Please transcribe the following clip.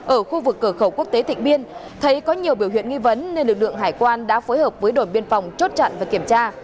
ở khu vực cửa khẩu quốc tế tịnh biên thấy có nhiều biểu hiện nghi vấn nên lực lượng hải quan đã phối hợp với đồn biên phòng chốt chặn và kiểm tra